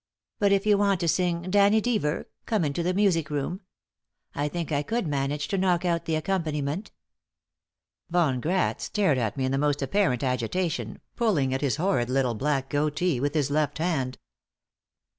But if you want to sing 'Danny Deever,' come into the music room. I think I could manage to knock out the accompaniment." Von Gratz stared at me in most apparent agitation, pulling at his horrid little black goatee with his left hand.